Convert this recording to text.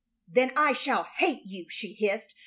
"Then I shall hate you!" she hissed.